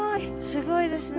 すごいですね。